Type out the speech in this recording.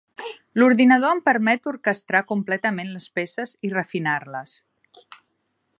L'ordinador em permet orquestrar completament les peces i refinar-les.